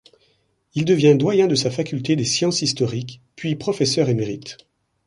Il devient doyen de sa faculté des sciences historiques, puis professeur émérite.